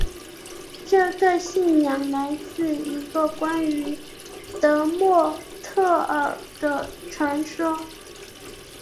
这个信仰来自一个关于得墨忒耳的传说。